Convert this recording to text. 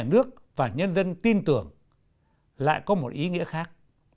nước và nhân dân tin tưởng lại có một ý nghĩa khác